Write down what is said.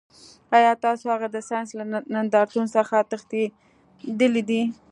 ایا تاسو هغه د ساینس له نندارتون څخه تښتولی دی